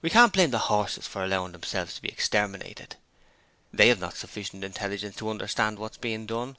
We can't blame the horses for allowing themselves to be exterminated. They have not sufficient intelligence to understand what's being done.